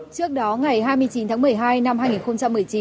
trước đó ngày hai mươi chín tháng một mươi hai năm hai nghìn một mươi chín